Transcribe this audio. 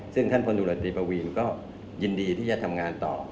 ซึ่งท่านพลตรวจตรีปวีนก็ยินดีที่จะทำงานต่อ